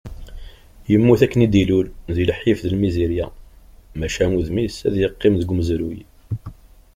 Yemmut akken i d-ilul, di lḥif d lmizirya, maca udem-is ad yeqqim deg umezruy.